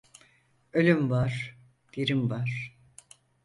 Ölüm var, dirim var.